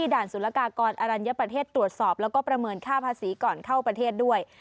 ด่านสุรกากรอรัญญประเทศตรวจสอบแล้วก็ประเมินค่าภาษีก่อนเข้าประเทศด้วย